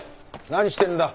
何してるんだ？